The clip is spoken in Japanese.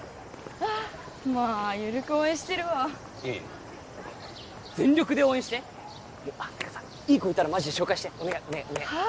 まあ緩く応援してるわいやいや全力で応援しててかさいい子いたらマジで紹介してお願いお願いはあ！？